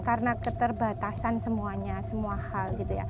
karena keterbatasan semuanya semua hal